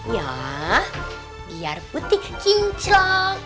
ya biar putih cincelang